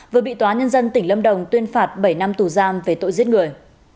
vừa bị tòa nhân dân tỉnh lâm đồng tuyên phạt bảy năm tù giam về tội giết người